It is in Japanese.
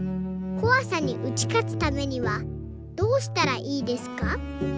こわさに打ち勝つためにはどうしたらいいですか？」。